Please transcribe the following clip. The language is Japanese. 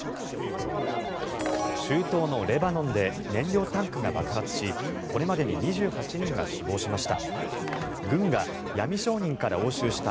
中東のレバノンで燃料タンクが爆発しこれまでに２８人が死亡しました。